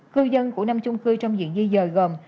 cư dân của năm chung cư trong diện di dời gồm